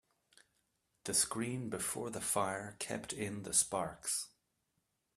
The screen before the fire kept in the sparks.